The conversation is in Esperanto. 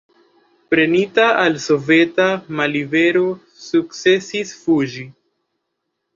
Prenita al soveta mallibero sukcesis fuĝi.